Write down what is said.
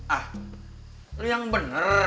ah lo yang bener